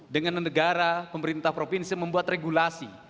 dengan negara pemerintah provinsi membuat regulasi